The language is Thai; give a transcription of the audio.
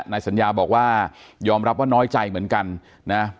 นายสัญญาบอกว่ายอมรับว่าน้อยใจเหมือนกันนะ